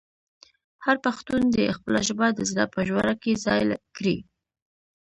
هر پښتون دې خپله ژبه د زړه په ژوره کې ځای کړي.